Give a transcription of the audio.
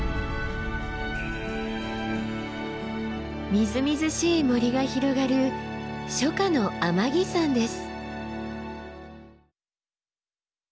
みずみずしい森が広がる初夏の天城山です。